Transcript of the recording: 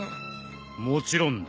もちろんだ。